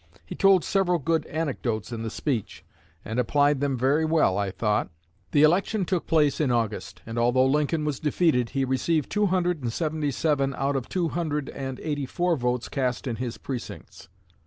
He told several good anecdotes in the speech, and applied them very well, I thought." The election took place in August, and although Lincoln was defeated he received two hundred and seventy seven out of the two hundred and eighty four votes cast in his precincts.